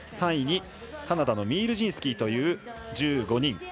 ３位にカナダのミールジンスキという１５人。